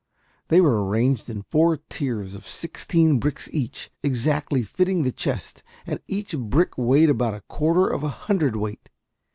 They were arranged in four tiers of sixteen bricks each, exactly fitting the chest, and each brick weighed about a quarter of a hundredweight.